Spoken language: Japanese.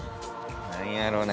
何やろな？